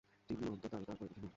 তিনি অন্ত, তাই তার পরে কিছু নেই।